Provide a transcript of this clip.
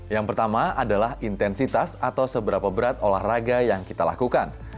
yang pertama adalah intensitas atau seberapa berat olahraga yang kita lakukan